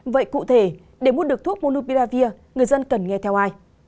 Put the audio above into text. vậy cụ thể để mua được thuốc monubiravir người dân cần nghe theo ai